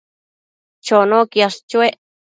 Chono quiash chuec